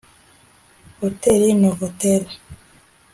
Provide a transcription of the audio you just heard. Hotel Novotel